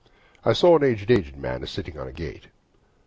I saw an aged aged man, A sitting on a gate.